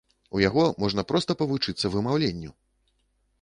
У яго можна проста павучыцца вымаўленню!